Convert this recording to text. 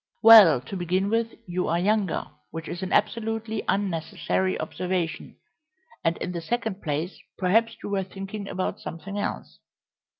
"Well, to begin with, you are younger, which is an absolutely unnecessary observation; and in the second place, perhaps you were thinking about something else."